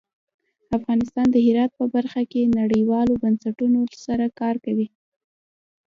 افغانستان د هرات په برخه کې نړیوالو بنسټونو سره کار کوي.